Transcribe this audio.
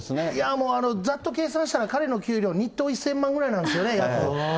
もう、ざっと計算したら、彼の給料は日当１０００万ぐらいなんですよね。